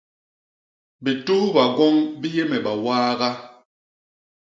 Bituhba gwoñ bi yé me bawaaga.